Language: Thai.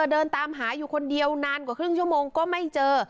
เดินตามหาอยู่คนเดียวนานกว่าครึ่งชั่วโมงก็ไม่เจอ